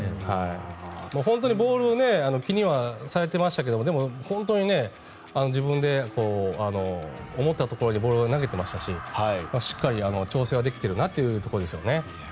本当にボールを気にはされていましたけどでも、本当に自分で思ったところにボールを投げてましたししっかり調整はできているなというところですね。